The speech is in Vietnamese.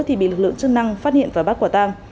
thì bị lực lượng chức năng phát hiện và bắt quả tang